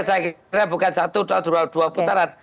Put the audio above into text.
saya kira bukan satu dua putaran